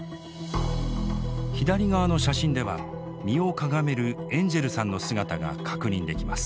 左側の写真では身をかがめるエンジェルさんの姿が確認できます。